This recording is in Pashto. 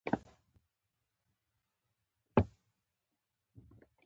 رنګ او بڼه یې والوتله !